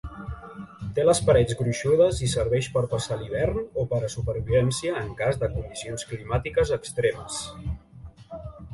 Té les parets gruixudes i serveix per passar l'hivern o per a supervivència en cas de condicions climàtiques extremes.